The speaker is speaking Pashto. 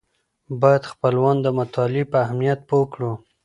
باید خپلوان د مطالعې په اهمیت پوه کړو.